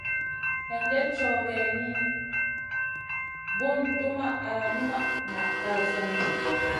Hinjèd cow geyni, bùn dumʼma al numʼma na kal sènèh.